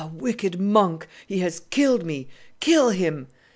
wicked monk! he has killed me; kill him!